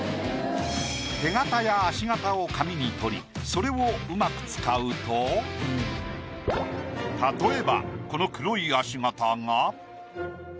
手形や足形を紙に取りそれを上手く使うと例えばこの黒い足形が。